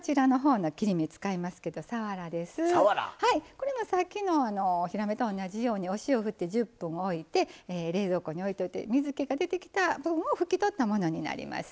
これもさっきのひらめと同じようにお塩ふって１０分おいて冷蔵庫においといて水けが出てきた分を拭き取ったものになりますね。